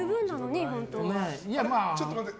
ちょっと待って。